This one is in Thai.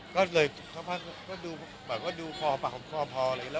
ก็เลยค่อนข้างก็ดูแบบว่าดูพอปากของพอพออะไรอย่างนี้